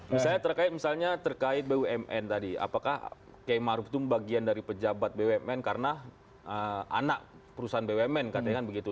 misalnya terkait bumn tadi apakah km haruf itu bagian dari pejabat bumn karena anak perusahaan bumn katanya kan begitu